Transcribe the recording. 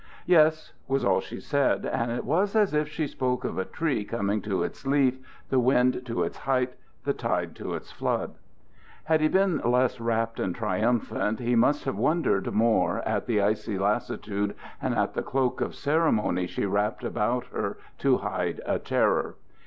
"Yes," was all she said, and it was as if she spoke of a tree coming to its leaf, the wind to its height, the tide to its flood. Had he been less rapt and triumphant he must have wondered more at that icy lassitude, and at the cloak of ceremony she wrapped about her to hide a terror.